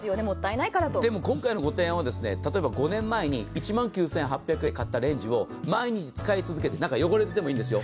でも今回のご提案は、例えば５年前に１万９８００円で買ったレンジを毎日使い続けて、中汚れててもいいんですよ。